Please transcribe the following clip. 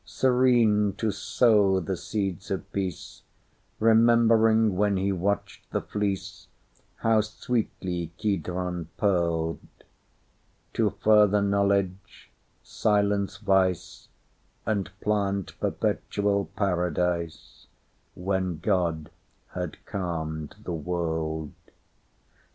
Serene—to sow the seeds of peace, Remembering, when he watched the fleece, How sweetly Kidron purled—To further knowledge, silence vice, And plant perpetual paradise, When God had calmed the world.